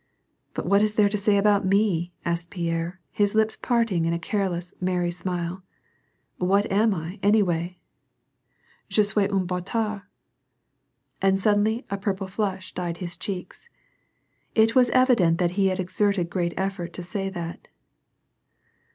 " But what is there to be said about me," asked Pierre, his lips parting in a careless, merry smile. "What am I, any way ? Je suis un hdtard I " And suddenly a purple flush dyed his cheeks. It was evi dent that he had exerted great effort to say that.